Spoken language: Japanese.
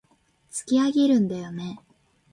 突き上げるんだよね